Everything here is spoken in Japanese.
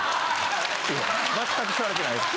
全く吸われてないです。